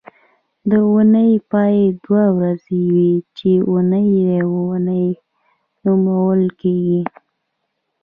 د اونۍ پای دوه ورځې وي چې اونۍ او یونۍ نومول کېږي